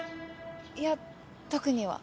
いや特には。